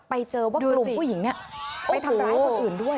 ไปเจอว่ากลุ่มผู้หญิงไปทำร้ายคนอื่นด้วย